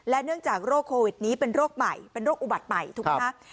เนื่องจากโรคโควิดนี้เป็นโรคใหม่เป็นโรคอุบัติใหม่ถูกไหมคะ